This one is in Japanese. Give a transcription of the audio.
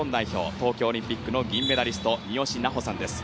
東京オリンピックの銀メダリスト三好南穂さんです。